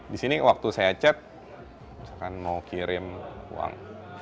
di sini waktu saya chat misalkan mau kirim uang